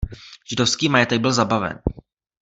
Židovský majetek byl zabaven.